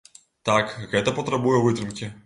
Так, гэта патрабуе вытрымкі.